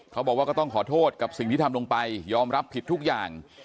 เขาบอกว่าก็ต้องขอโทษกับสิ่งที่ทำลงไปยอมรับผิดทุกอย่าง